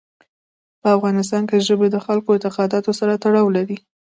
په افغانستان کې ژبې د خلکو اعتقاداتو سره تړاو لري.